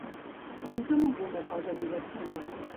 Conta'm alguna cosa divertida.